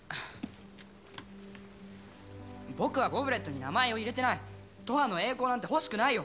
僕はゴブレットに名前を入れてない永遠の栄光なんて欲しくないよ